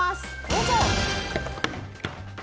どうぞ。